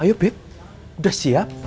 ayo buk udah siap